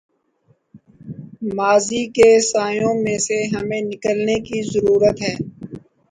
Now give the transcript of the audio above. ماضی کے سایوں میں سے ہمیں نکلنے کی ضرورت ہے۔